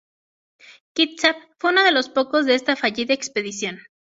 Kitsap fue uno de los poco de esta fallida expedición.